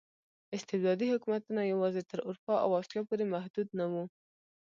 استبدادي حکومتونه یوازې تر اروپا او اسیا پورې محدود نه وو.